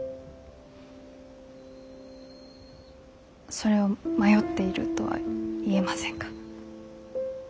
それを迷っているとは言えませんか？